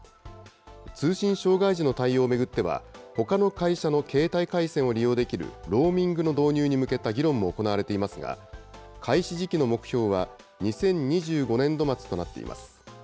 通信障害時の対応を巡っては、ほかの会社の携帯回線を利用できるローミングの導入に向けた議論も行われていますが、開始時期の目標は２０２５年度末となっています。